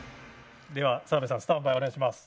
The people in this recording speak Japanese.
では澤部さんスタンバイお願いします。